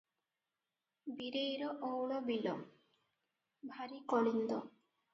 ବୀରେଇର ଅଉଲ ବିଲ- ଭାରି କଳିନ୍ଦ ।